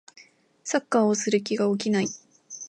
サッカーをする気が起きない